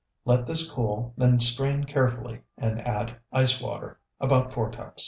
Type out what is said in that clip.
Let this cool, then strain carefully, and add ice water, about four cups.